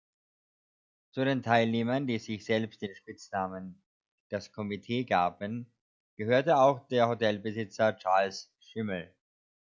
Zu den Teilnehmern, die sich selbst den Spitznamen „das Komitee“ gaben, gehörte auch der Hotelbesitzer Charles Schimmel.